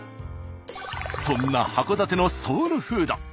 そんな函館のソウルフード。